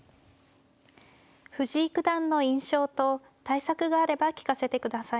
藤井九段の印象と対策があれば聞かせてください。